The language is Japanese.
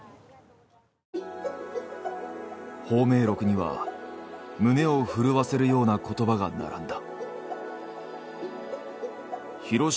芳名録には胸を震わせるような言葉が並んだ。